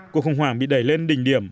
cuộc khủng hoảng bị đẩy lên đỉnh điểm